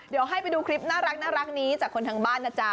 เดี๋ยวให้ไปดูคลิปน่ารักนี้จากคนทางบ้านนะจ๊ะ